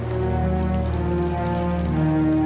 kamu tulis apa tadi